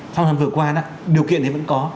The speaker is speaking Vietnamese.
trong tháng vừa qua đó điều kiện thì vẫn có